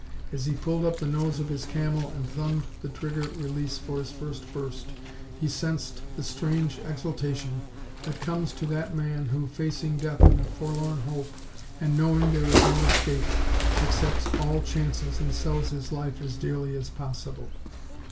As he pulled up the nose of his Camel and thumbed the trigger release for his first burst, he sensed the strange exultation that comes to that man who, facing death in a forlorn hope and knowing there is no escape, accepts all chances and sells his life as dearly as possible.